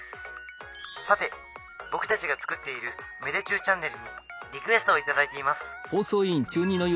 さて僕たちが作っている芽出中チャンネルにリクエストを頂いています」。